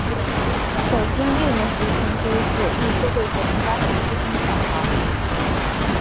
小森幼年时曾随左翼社会活动家的父亲访华。